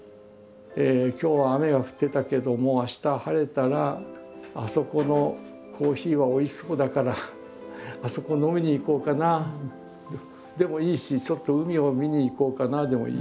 今日は雨が降ってたけども明日晴れたらあそこのコーヒーはおいしそうだからあそこ飲みに行こうかなでもいいしちょっと海を見に行こうかなでもいいし。